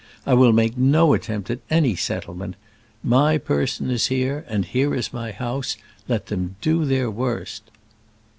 I will make no attempt at any settlement. My person is here, and there is my house. Let them do their worst."